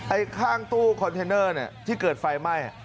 ไอ้ข้างตู้คอนเทนเนอร์ที่เกิดไฟไหม้